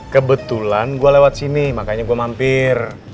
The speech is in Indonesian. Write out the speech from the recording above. kebetulan gua lewat sini makanya gua mampir